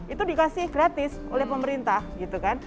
itu dikasih gratis oleh pemerintah gitu kan